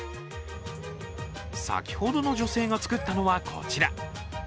先ほどの女性が作ったのはこちら。